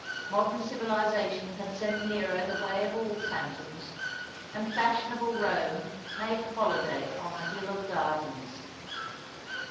Modern civilization had sent Nero the way of all phantoms ; and • fashionable Eome made holiday on the Hill of Gardens.